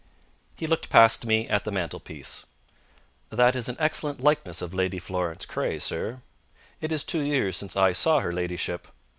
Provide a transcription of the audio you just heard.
He looked past me at the mantelpiece. "That is an excellent likeness of Lady Florence Craye, sir. It is two years since I saw her ladyship.